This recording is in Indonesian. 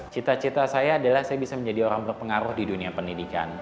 cita cita saya adalah saya bisa menjadi orang berpengaruh di dunia pendidikan